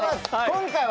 今回は。